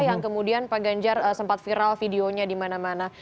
yang kemudian pak ganjar sempat viral videonya di mana mana